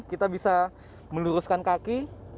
kita bisa meluruskan kaki